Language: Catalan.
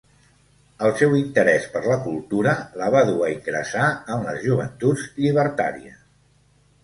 El seu interès per la cultura la va dur a ingressar en les Joventuts Llibertàries.